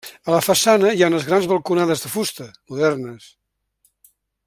A la façana hi ha unes grans balconades de fusta, modernes.